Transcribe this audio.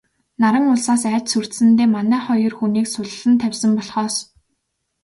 Наран улсаас айж сүрдсэндээ манай хоёр хүнийг суллан тавьсан болохоос...